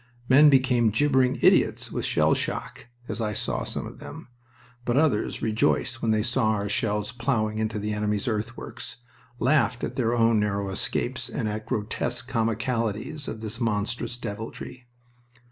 Men became jibbering idiots with shell shock, as I saw some of them, but others rejoiced when they saw our shells plowing into the enemy's earthworks, laughed at their own narrow escapes and at grotesque comicalities of this monstrous deviltry.